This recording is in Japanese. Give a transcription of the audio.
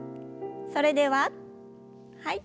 それでははい。